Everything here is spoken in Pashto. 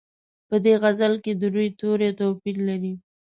په دې غزل کې د روي توري توپیر لري.